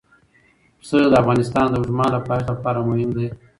پسه د افغانستان د اوږدمهاله پایښت لپاره مهم دی.